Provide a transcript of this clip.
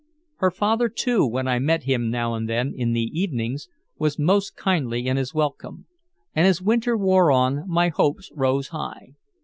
Her father, too, when I met him now and then in the evenings, was most kindly in his welcome. And as winter wore on, my hopes rose high.